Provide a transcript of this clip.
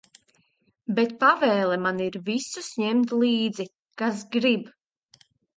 Bet pavēle man ir visus ņemt līdzi, kas grib.